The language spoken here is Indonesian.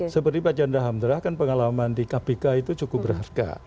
seperti pak chandra hamdra kan pengalaman di kpk itu cukup berharga